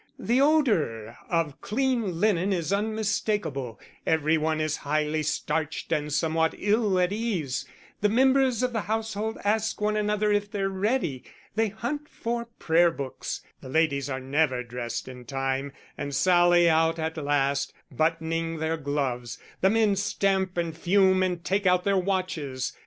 The odour of clean linen is unmistakable, every one is highly starched and somewhat ill at ease; the members of the household ask one another if they're ready, they hunt for prayer books; the ladies are never dressed in time and sally out at last, buttoning their gloves; the men stamp and fume and take out their watches.